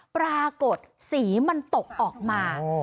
ปรากฏสีมันตกออกมา